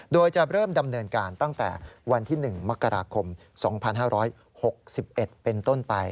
โดยจะเริ่มดำเนินการตั้งแต่วันที่๑มกราคม๒๕๖๑เป็นต้นไป